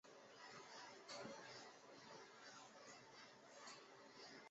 在很多方面大气潮和海洋潮汐类似。